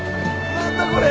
何だこれ！